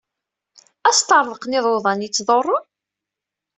Asṭerḍeq n yiḍudan yettḍurru?